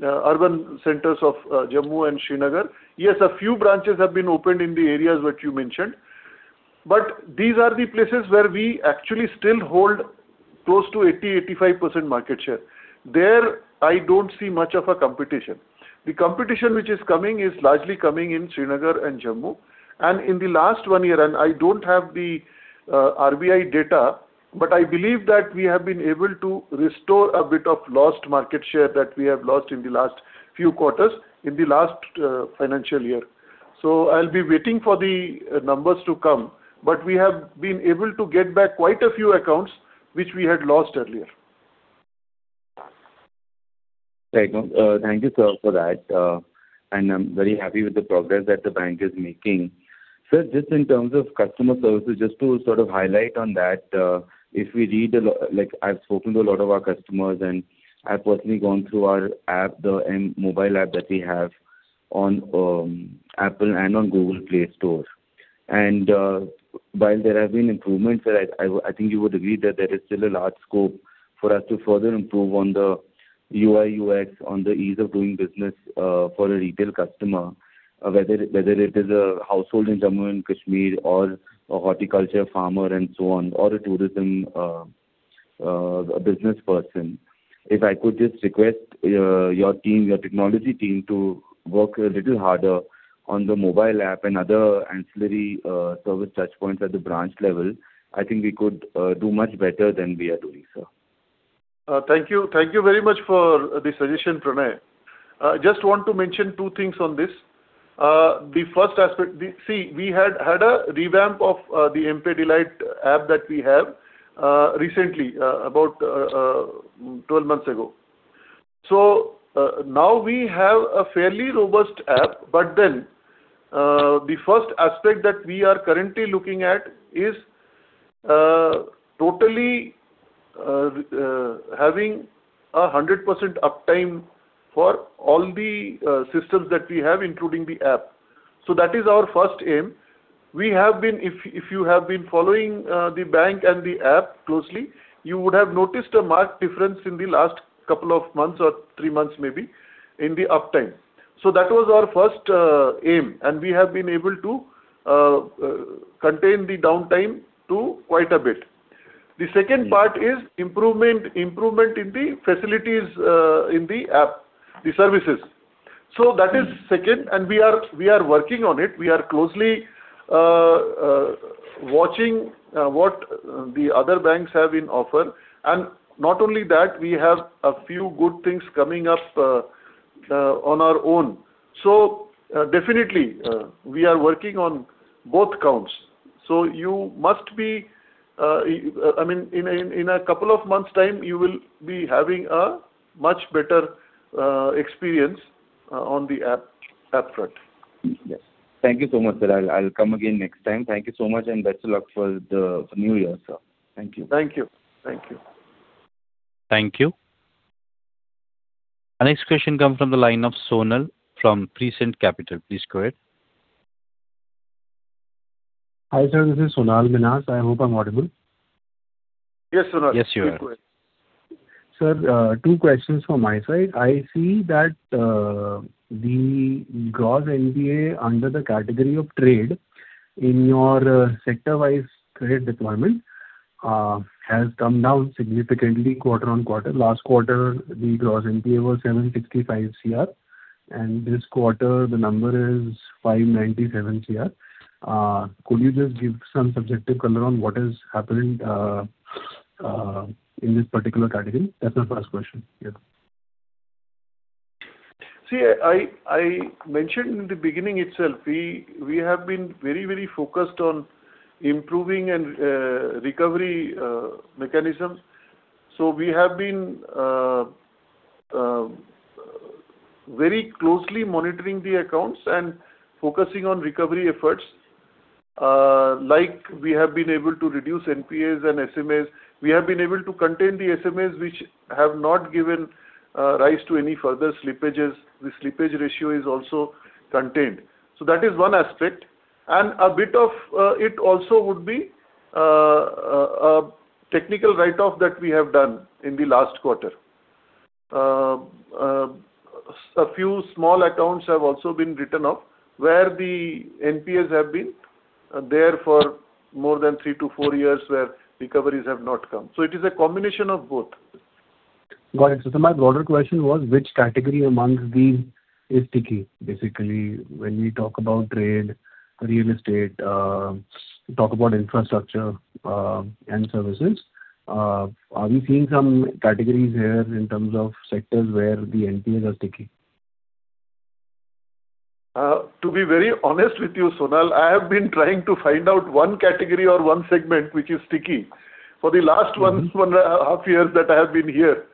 urban centers of Jammu and Srinagar. Yes, a few branches have been opened in the areas which you mentioned, but these are the places where we actually still hold close to 80%-85% market share. There, I don't see much of a competition. The competition which is coming is largely coming in Srinagar and Jammu. In the last one year, I don't have the RBI data, but I believe that we have been able to restore a bit of lost market share that we have lost in the last few quarters in the last financial year. I'll be waiting for the numbers to come, but we have been able to get back quite a few accounts which we had lost earlier. Thank you, sir, for that. I'm very happy with the progress that the bank is making. Sir, just in terms of customer services, just to sort of highlight on that, like, I've spoken to a lot of our customers, and I've personally gone through our app, the mobile app that we have on Apple and on Google Play Store. While there have been improvements, sir, I think you would agree that there is still a large scope for us to further improve on the UI/UX, on the ease of doing business, for a retail customer, whether it is a household in Jammu & Kashmir or a horticulture farmer and so on, or a tourism business person. If I could just request your team, your technology team to work a little harder on the mobile app and other ancillary service touch points at the branch level, I think we could do much better than we are doing, sir. Thank you. Thank you very much for the suggestion, Pranay. Just want to mention two things on this. See, we had had a revamp of the mPay Delight+ app that we have recently, about 12 months ago. Now we have a fairly robust app, the first aspect that we are currently looking at is totally having a 100% uptime for all the systems that we have, including the app. That is our first aim. If you have been following the bank and the app closely, you would have noticed a marked difference in the last couple of months or three months maybe in the uptime. That was our first aim, and we have been able to contain the downtime to quite a bit. The second part is improvement in the facilities, in the app, the services. That is second, and we are working on it. We are closely watching what the other banks have in offer. Not only that, we have a few good things coming up on our own. Definitely, we are working on both counts. You must be, I mean, in a couple of months time, you will be having a much better experience on the app front. Yes. Thank you so much, sir. I'll come again next time. Thank you so much, and best of luck for the new year, sir. Thank you. Thank you. Thank you. Thank you. Our next question comes from the line of Sonal from Prescient Capital. Please go ahead. Hi, sir. This is Sonal Minhas. I hope I'm audible. Yes, Sonal. Yes, you are. Sir, two questions from my side. I see that the gross NPA under the category of trade in your sector-wise trade deployment has come down significantly quarter-on-quarter. Last quarter, the gross NPA was 765 crore, and this quarter the number is 597 crore. Could you just give some color on what is happening in this particular category? That's my first question. Yeah. See, I mentioned in the beginning itself, we have been very focused on improving and recovery mechanisms. We have been very closely monitoring the accounts and focusing on recovery efforts. Like we have been able to reduce NPAs and SMAs. We have been able to contain the SMAs which have not given rise to any further slippages. The slippage ratio is also contained. That is one aspect. A bit of it also would be a technical write-off that we have done in the last quarter. A few small accounts have also been written off, where the NPAs have been there for more than three to four years, where recoveries have not come. It is a combination of both. Got it. My broader question was which category amongst these is sticky? Basically, when we talk about trade, real estate, talk about infrastructure, and services. Are we seeing some categories here in terms of sectors where the NPAs are sticky? To be very honest with you, Sonal, I have been trying to find out one category or one segment which is sticky for the last one and a half years that I have been here.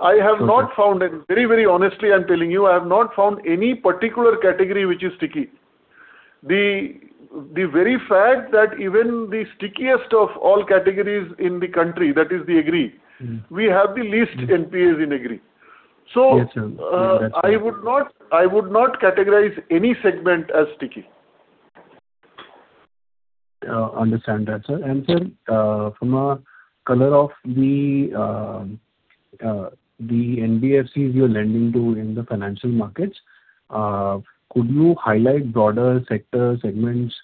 I have not found it. Very, very honestly, I'm telling you, I have not found any particular category which is sticky. The very fact that even the stickiest of all categories in the country, that is the Agri, we have the least NPAs in Agri. Yes, sir. That's right. I would not categorize any segment as sticky. Understand that, sir. Sir, from a color of the NBFCs you're lending to in the financial markets, could you highlight broader sector segments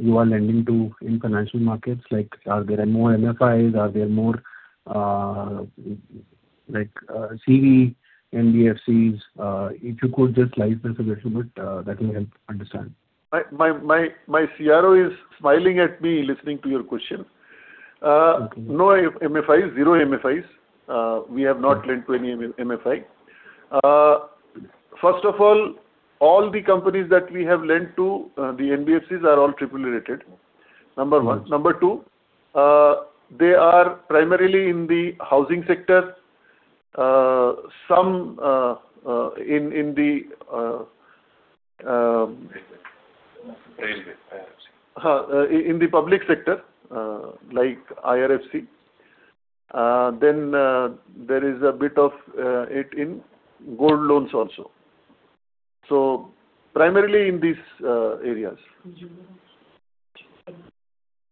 you are lending to in financial markets? Like are there more MFIs? Are there more, like, CV NBFCs? If you could just enlighten us a little bit, that will help understand. My CRO is smiling at me listening to your question. Okay. No MFIs, zero MFIs. We have not lent to any MFI. First of all the companies that we have lent to, the NBFCs are all triple rated. Number one. Number two, they are primarily in the housing sector. Railway. IRFC. In the public sector, like IRFC. Then, there is a bit of it in gold loans also. Primarily in these areas.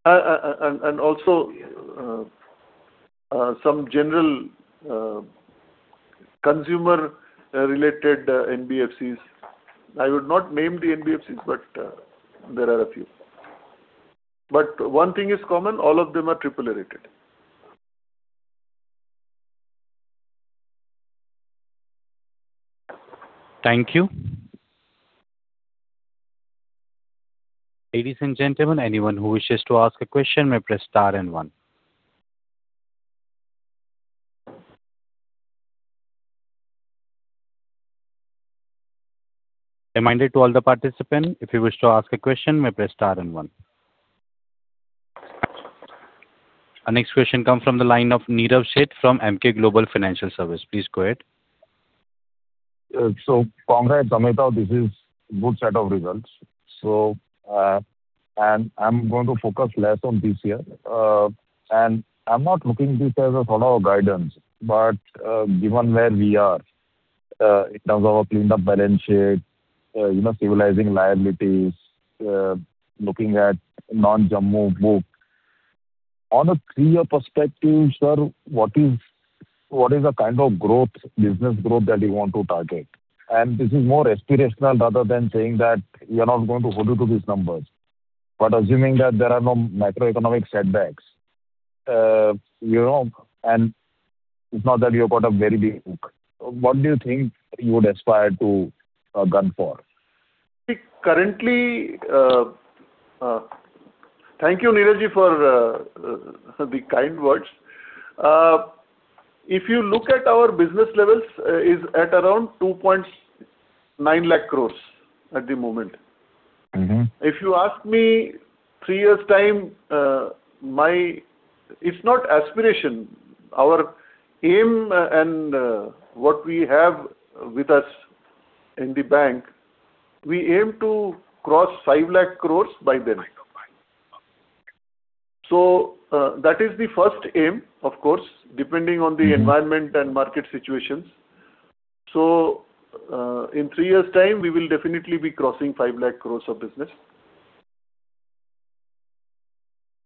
Also some general consumer related NBFCs. I would not name the NBFCs, but there are a few. One thing is common, all of them are triple rated. Thank you. Ladies and gentlemen, anyone who wishes to ask a question may press star and one. Reminder to all the participants, if you wish to ask a question, you may press star and one. Our next question comes from the line of Nirav Sheth from Emkay Global Financial Services. Please go ahead. Congrats, Amit. This is good set of results. I'm going to focus less on this year. I'm not looking at this as a sort of guidance, but given where we are in terms of our cleaned up balance sheet, you know, stabilizing liabilities, looking at non-Jammu book. On a three-year perspective, sir, what is the kind of growth, business growth that you want to target? This is more aspirational rather than saying that you're not going to hold it to these numbers. Assuming that there are no macroeconomic setbacks, you know, and it's not that you've got a very big book. What do you think you would aspire to gun for? Currently, thank you, Nirav, for the kind words. If you look at our business levels, is at around 2.9 lakh crore at the moment.mIf you ask me three years time, it's not aspiration. Our aim and what we have with us in the bank, we aim to cross 5 lakh crore by then. That is the first aim, of course, depending on the environment and market situations. In three years time, we will definitely be crossing 5 lakh crore of business.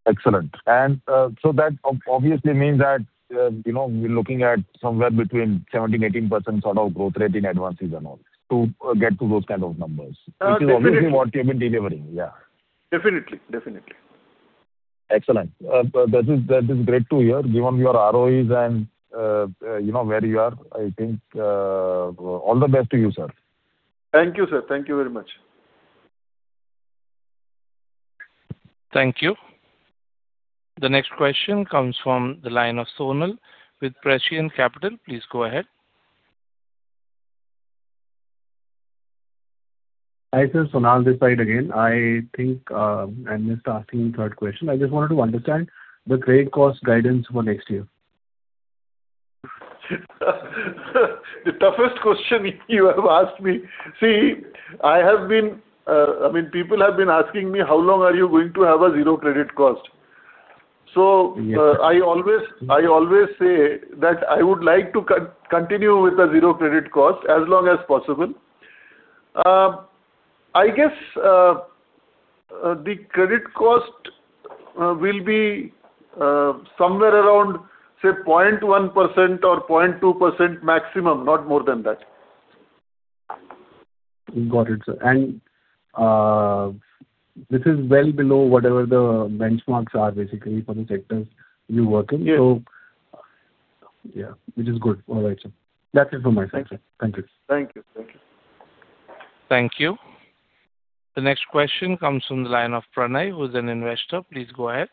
Excellent. That obviously means that, you know, we're looking at somewhere between 17%-18% sort of growth rate in advances and all to get to those kind of numbers. Definitely. Which is obviously what you've been delivering. Yeah. Definitely. Excellent. That is great to hear, given your ROEs and, you know where you are. I think, all the best to you, sir. Thank you, sir. Thank you very much. Thank you. The next question comes from the line of Sonal with Prescient Capital. Please go ahead. Hi, sir. Sonal this side again. I think, I missed asking third question. I just wanted to understand the credit cost guidance for next year. The toughest question you have asked me. See, I mean, people have been asking me how long are you going to have a zero credit cost. So- Yes. I always say that I would like to continue with a zero credit cost as long as possible. I guess the credit cost will be somewhere around, say, 0.1% or 0.2% maximum, not more than that. Got it, sir. This is well below whatever the benchmarks are basically for the sectors you work in. Yeah. Yeah, which is good. All right, sir. That's it from my side, sir. Thanks. Thank you. Thank you. Thank you. Thank you. The next question comes from the line of Pranay, who's an investor. Please go ahead.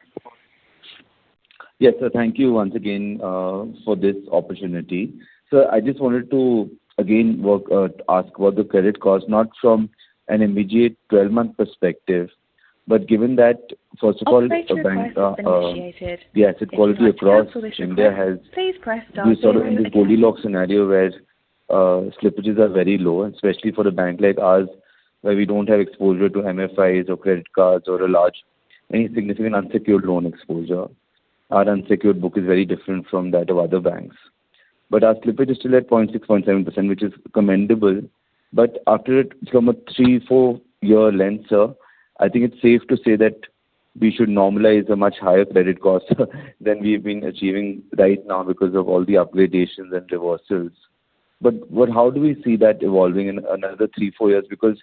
Yes, sir. Thank you once again for this opportunity. Sir, I just wanted to again ask what the credit cost, not from an immediate 12-month perspective, but given that first of all the bank, the asset quality across India has, we're sort of in this Goldilocks scenario where slippages are very low, especially for a bank like ours, where we don't have exposure to MFIs or credit cards or any significant unsecured loan exposure. Our unsecured book is very different from that of other banks. Our slippage is still at 0.6%-0.7%, which is commendable. After it, from a three, four-year lens, sir, I think it's safe to say that we should normalize a much higher credit cost than we've been achieving right now because of all the upgradations and reversals. How do we see that evolving in another three, four years? Because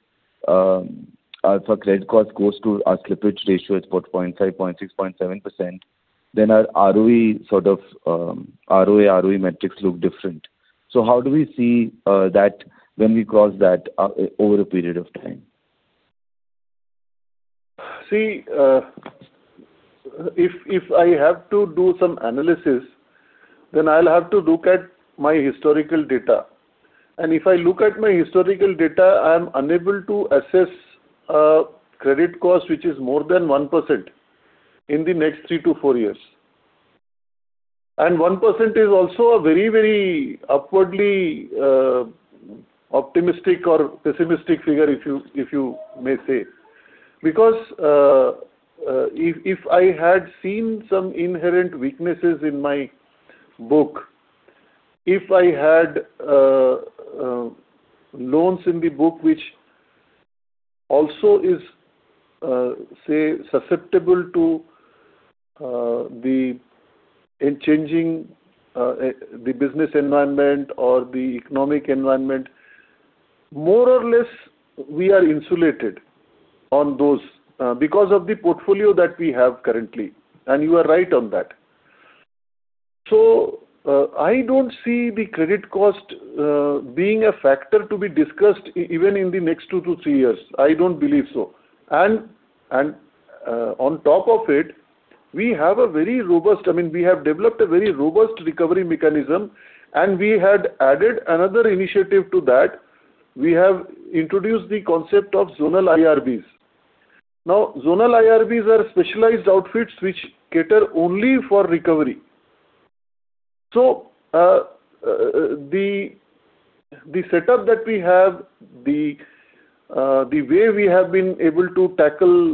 if our credit cost goes to our slippage ratio is what 0.5%, 0.6%, 0.7%, then our ROE sort of ROA, ROE metrics look different. How do we see that when we cross that over a period of time? See, if I have to do some analysis, then I'll have to look at my historical data. If I look at my historical data, I am unable to assess a credit cost which is more than 1% in the next three to four years. 1% is also a very, very upwardly optimistic or pessimistic figure, if you may say. If I had seen some inherent weaknesses in my book, if I had loans in the book, which also is, say, susceptible to the changing business environment or the economic environment, more or less we are insulated on those, because of the portfolio that we have currently, and you are right on that. I don't see the credit cost being a factor to be discussed even in the next two to three years. I don't believe so. On top of it, we have a very robust I mean, we have developed a very robust recovery mechanism, and we had added another initiative to that. We have introduced the concept of zonal IRBs. Now, zonal IRBs are specialized outfits which cater only for recovery. The setup that we have, the way we have been able to tackle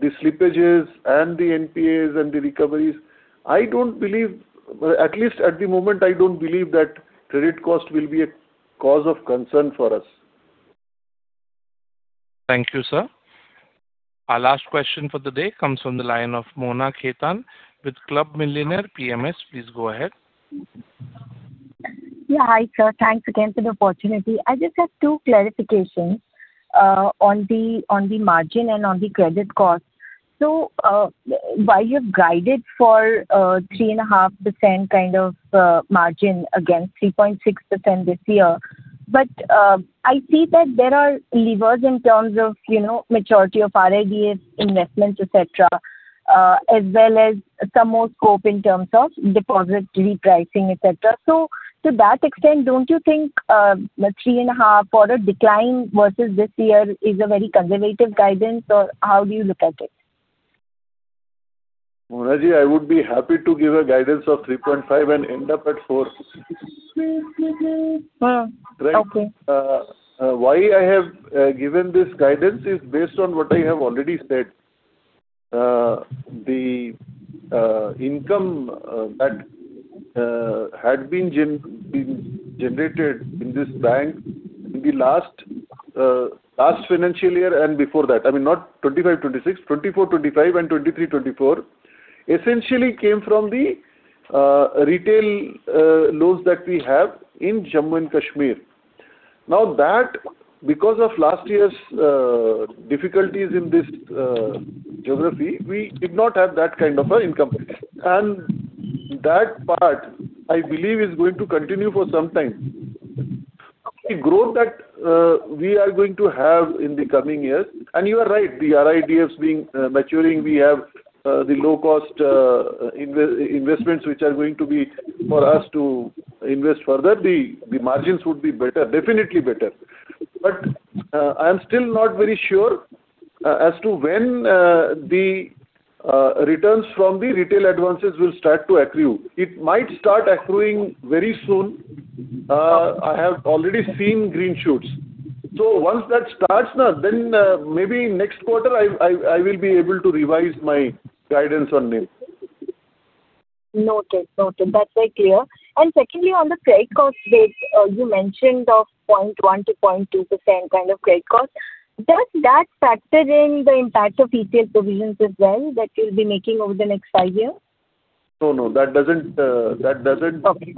the slippages and the NPAs and the recoveries, I don't believe, at least at the moment, I don't believe that credit cost will be a cause of concern for us. Thank you, sir. Our last question for the day comes from the line of Mona Khetan with Club Millionaire PMS. Please go ahead. Yeah, hi, sir. Thanks again for the opportunity. I just have two clarifications on the margin and on the credit cost. While you've guided for 3.5% kind of margin against 3.6% this year. I see that there are levers in terms of, you know, maturity of RIDF investments, et cetera, as well as some more scope in terms of deposit repricing, et cetera. To that extent, don't you think the 3.5% or a decline versus this year is a very conservative guidance, or how do you look at it? Mona, I would be happy to give a guidance of 3.5% and end up at 4%. Okay. Right. Why I have given this guidance is based on what I have already said. The income that had been generated in this bank in the last financial year and before that. I mean, not 2025/2026. 2024/2025 and 2023/2024 essentially came from the retail loans that we have in Jammu & Kashmir. Now that because of last year's difficulties in this geography, we did not have that kind of a income. That part, I believe, is going to continue for some time. The growth that we are going to have in the coming years, and you are right, the RIDFs being maturing. We have the low cost investments which are going to be for us to invest further. The margins would be better, definitely better. I am still not very sure as to when the returns from the retail advances will start to accrue. It might start accruing very soon. I have already seen green shoots. Once that starts, maybe next quarter I will be able to revise my guidance on them. Noted. That's very clear. Secondly, on the credit cost bit, you mentioned a 0.1%-0.2% kind of credit cost. Does that factor in the impact of ECL provisions as well that you'll be making over the next five years? No, no. That doesn't- Okay.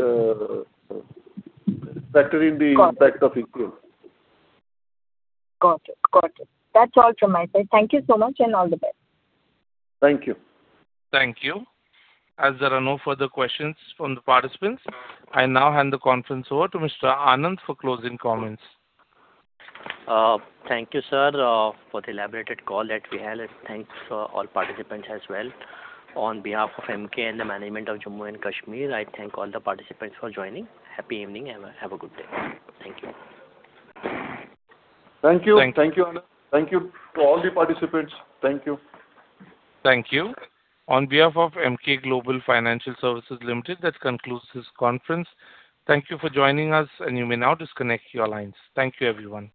Factor in the impact of ECL. Got it. That's all from my side. Thank you so much and all the best. Thank you. Thank you. As there are no further questions from the participants, I now hand the conference over to Mr. Anand for closing comments. Thank you, sir, for the elaborated call that we had, and thanks to all participants as well. On behalf of MK and the management of Jammu & Kashmir, I thank all the participants for joining. Happy evening and have a good day. Thank you. Thank you. Thank- Thank you, Anand. Thank you to all the participants. Thank you. Thank you. On behalf of Emkay Global Financial Services Limited, that concludes this conference. Thank you for joining us, and you may now disconnect your lines. Thank you, everyone.